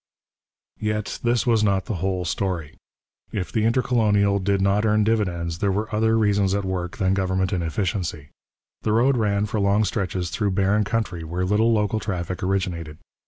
Yet this was not the whole story. If the Intercolonial did not earn dividends, there were other reasons at work than government inefficiency. The road ran for long stretches through barren country where little local traffic originated.